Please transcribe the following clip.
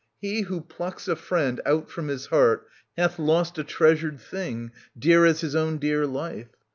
He who plucks a friend " Out from his heart hath lost a treasured thing Dear as his own dear life.